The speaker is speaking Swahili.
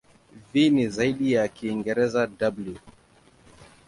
V ni zaidi ya Kiingereza "w".